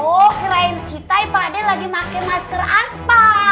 oh kirain citai pade lagi pake masker aspal